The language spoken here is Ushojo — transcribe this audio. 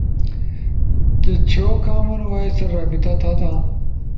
کی چھو کامن وائس ست رابطہ تھاتا؟